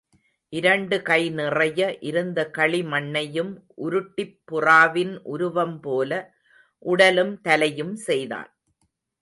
இரண்டு கைநிறைய இருந்த களி மண்ணையும் உருட்டிப் புறாவின் உருவம்போல, உடலும் தலையும் செய்தான்.